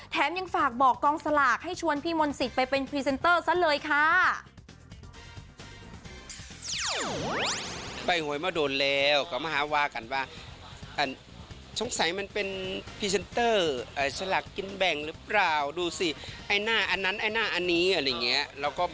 ยังฝากบอกกองสลากให้ชวนพี่มนต์สิทธิ์ไปเป็นพรีเซนเตอร์ซะเลยค่ะ